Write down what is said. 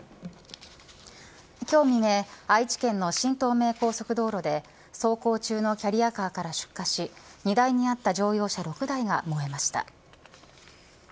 今日未明、愛知県の新東名高速道路で走行中のキャリアカーから出火し荷台にあった乗用車６台が燃えました。